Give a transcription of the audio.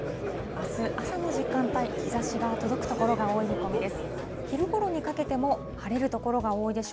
あす、朝の時間帯、日ざしが届く所が多い見込みです。